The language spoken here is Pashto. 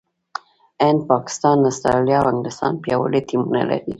هند، پاکستان، استراليا او انګلستان پياوړي ټيمونه لري.